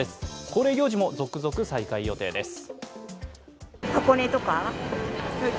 恒例行事も続々再開です。